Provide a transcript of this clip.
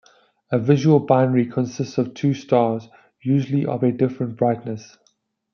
A visual binary consists of two stars, usually of a different brightness.